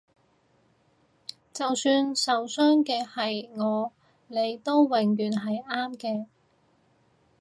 就算受傷嘅係我你都永遠係啱嘅